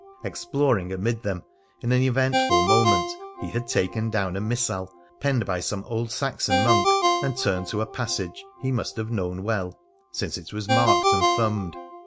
Exploring amid them, in an eventful moment he had taken down a missal penned by some old Saxon monk, and turned to a passage he must have known well, since it was marked and thumbed.